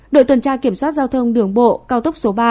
đội tuần tra kiểm soát giao thông đường bộ cao tốc số ba